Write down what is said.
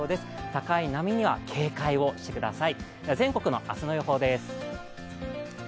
高い波には警戒してください。